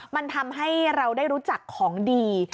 มันทำให้เราได้รู้จักของดี